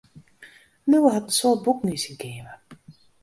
Liuwe hat in soad boeken yn syn keamer.